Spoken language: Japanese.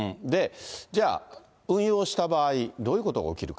じゃあ、運用した場合、どういうことが起きるか。